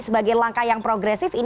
sebagai langkah yang progresif